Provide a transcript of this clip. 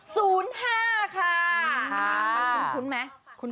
น้องต้องคุ้นไหม